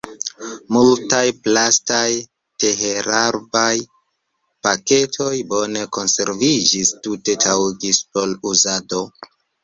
Multaj plastaj teherbaj paketoj bone konserviĝis, tute taŭgis por uzado.